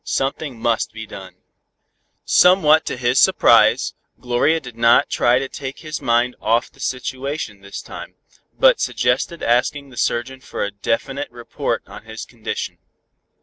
Something must be done." Somewhat to his surprise, Gloria did not try to take his mind off the situation this time, but suggested asking the surgeon for a definite report on his condition.